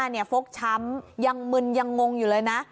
ฟกช้ำยังมึนยังงงอยู่เลยนะ